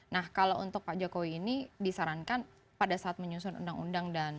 nah kalau untuk pak jokowi ini disarankan pada saat menyusun undang undang